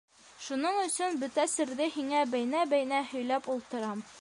Шуның өсөн бөтә серҙе һиңә бәйнә-бәйнә һөйләп ултырам.